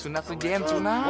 sunat tuh jen sunat